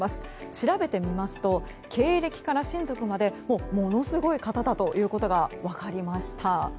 調べてみますと経歴から親族までものすごい方だということが分かりました。